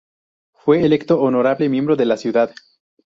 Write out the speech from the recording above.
Fue electo honorable miembro de la Ciudad.